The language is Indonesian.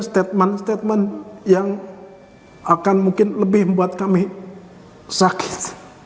statement statement yang akan mungkin lebih membuat kami sakit